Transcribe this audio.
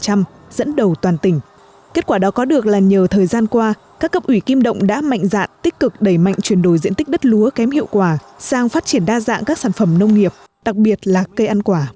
chính được là nhờ thời gian qua các cấp ủy kim động đã mạnh dạn tích cực đẩy mạnh chuyển đổi diện tích đất lúa kém hiệu quả sang phát triển đa dạng các sản phẩm nông nghiệp đặc biệt là cây ăn quả